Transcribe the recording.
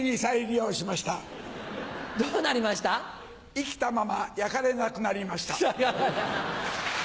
生きたまま焼かれなくなりました。